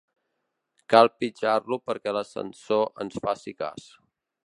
Cal pitjar-lo perquè l'ascensor ens faci cas.